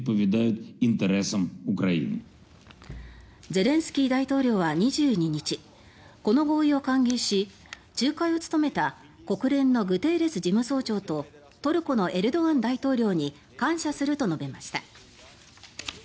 ゼレンスキー大統領は２２日この合意を歓迎し仲介を務めた国連のグテーレス事務総長とトルコのエルドアン大統領に感謝すると述べました。